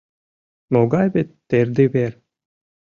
Могай вет тердывер!